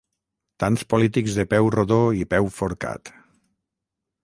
tants polítics de peu rodó i peu forcat